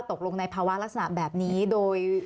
ตกลงในภาวะลักษณะแบบนี้โดย